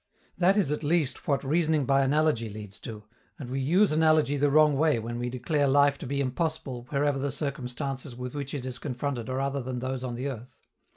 That is at least what reasoning by analogy leads to, and we use analogy the wrong way when we declare life to be impossible wherever the circumstances with which it is confronted are other than those on the earth.